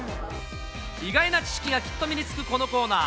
意外な知識がきっと身につくこのコーナー。